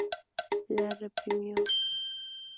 La reprimió.